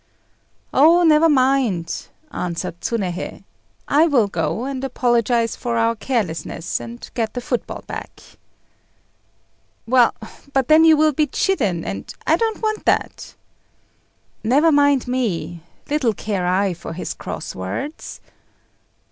"Oh, never mind," answered Tsunéhei; "I will go and apologize for our carelessness, and get the football back." "Well, but then you will be chidden, and I don't want that." "Never mind me. Little care I for his cross words."